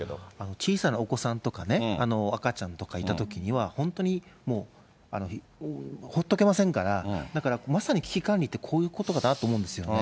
小さなお子さんとかね、赤ちゃんとかいたときには、本当にもう、ほっとけませんから、だからまさに危機管理ってこういうことだと思うんですよ。